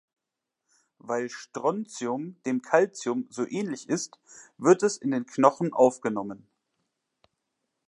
Weil Strontium dem Kalzium so ähnlich ist, wird es in den Knochen aufgenommen.